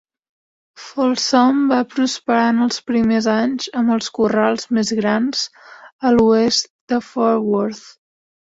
Folsom va prosperar en els primers anys amb els corrals més grans a l'oest de Fort Worth.